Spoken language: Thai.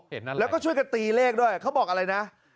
นั้นแล้วก็ช่วยกันตีเลขด้วยเขาบอกอะไรนะ